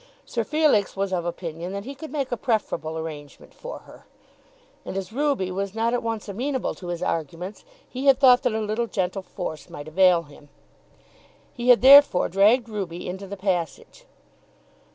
Sir Felix was of opinion that he could make a preferable arrangement for her; and as Ruby was not at once amenable to his arguments he had thought that a little gentle force might avail him. He had therefore dragged Ruby into the passage.